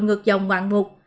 ngược dòng ngoạn mục